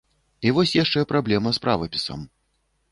І вось яшчэ праблема з правапісам.